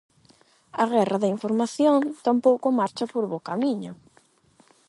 A guerra da información tampouco marcha por bo camiño.